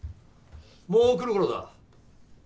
もう来るころだ。